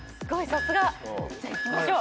さすが。じゃあいきましょう。